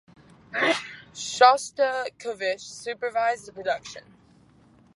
Shostakovich supervised the production.